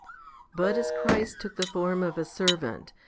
But as Christ took the form of a servant?